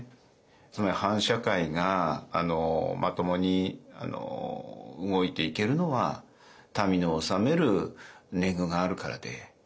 つまり藩社会がまともに動いていけるのは民の納める年貢があるからで。